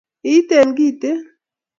iiten kiti